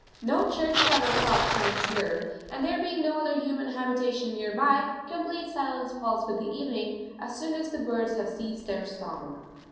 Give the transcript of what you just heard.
No church tower clock chimes here, and there being no other human habitation near by, complete silence falls with the evening, as soon as the birds have ceased their song.